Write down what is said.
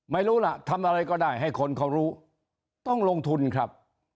ไม่รู้ล่ะทำอะไรก็ได้ให้คนเขารู้ต้องลงทุนครับ